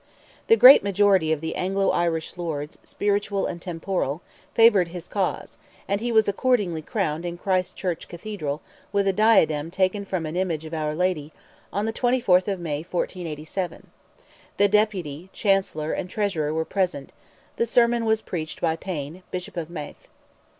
The great majority of the Anglo Irish lords, spiritual and temporal, favoured his cause, and he was accordingly crowned in Christ Church Cathedral, with a diadem taken from an image of our Lady, on the 24th of May, 1487; the Deputy, Chancellor, and Treasurer were present; the sermon was preached by Pain, Bishop of Meath.